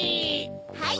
はい！